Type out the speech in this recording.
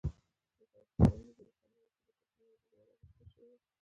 نن سبا په ټولنیزو رسنیو کې د کشمیر موضوع بیا را برسېره شوې ده.